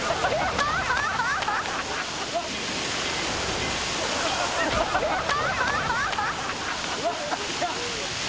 ハハハハ！